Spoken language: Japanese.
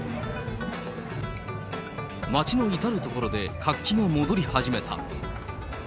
街の至る所で活気が戻り始めた。